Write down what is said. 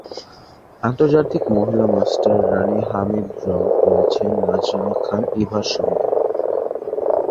আন্তর্জাতিক মহিলা master Rani Hamid draw করেছেন নাজরানা খান ইভার সঙ্গে।